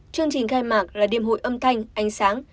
chương trình khai mạc là đêm hội âm thanh ánh sáng